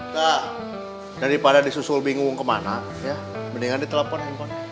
nah daripada disusul bingung kemana ya mendingan ditelepon handphone